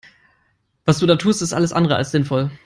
Was du da tust ist alles andere als sinnvoll.